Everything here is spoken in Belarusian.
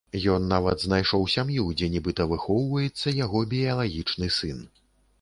Ён нават знайшоў сям'ю, дзе нібыта выхоўваецца яго біялагічны сын.